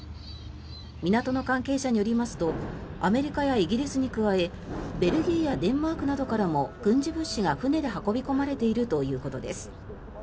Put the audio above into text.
港の関係者によりますとアメリカやイギリスに加えベルギーやデンマークなどからも軍事物資が船で運び込まれているということです。